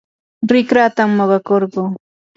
rikratam muqakurquu.